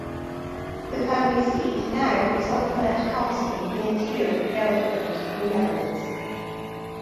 The family seat now is Ophemert Castle, near Tiel, Gelderland, in Netherlands.